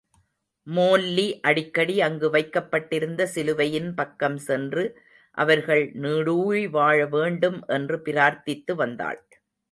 மோல்லி அடிக்கடி அங்கு வைக்கப்பட்டிருந்த சிலுவையின் பக்கம் சென்று, அவர்கள் நீடுழி வாழவேண்டும் என்று பிரார்த்தித்து வந்தாள்.